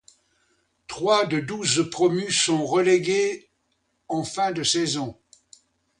Trois de douze promus sont relégués en fin de saison.